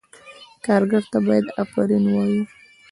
کارګر ته باید آفرین ووایو.